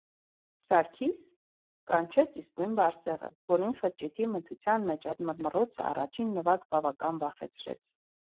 - Սարգի՞ս,- կանչեց իսկույն Բարսեղը, որին խրճիթի մթության մեջ այդ մռմռոցը առաջին նվագ բավական վախեցրեց: